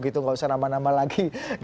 tidak usah nama nama lagi